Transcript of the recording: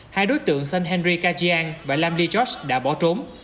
hai đối tượng st henry kajian và lam lee george đã bỏ trốn